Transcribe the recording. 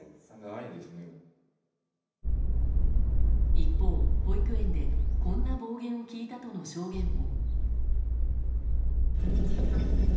一方、保育園でこんな暴言を聞いたとの証言も。